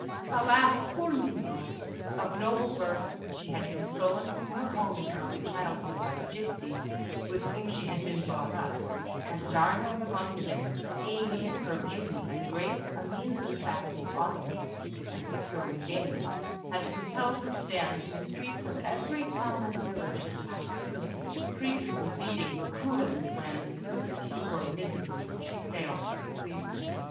Alas, poor Mignon! Of noble birth, she had been stolen from her home in early childhood by the gipsies with whom she had been brought up; and Giarno the Mountebank, seeing in her beauty and grace a means of attracting audiences and securing gain, had compelled her to dance in the streets of every town and village they passed through, frequently beating her cruelly when, through fatigue or misery, she failed to please him.